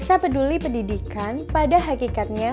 rasa peduli pendidikan pada hakikatnya